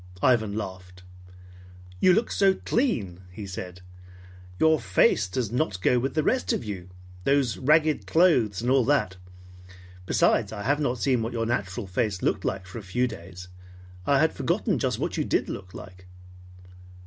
Ivan laughed. "You look so clean," he said. "Your face does not go with the rest of you, those ragged clothes and all that. Besides, I have not seen what your natural face looked like for a few days. I had forgotten just what you did look like."